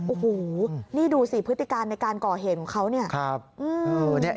โอ้โหนี่ดูสิพฤติการในการก่อเหตุของเขาเนี่ย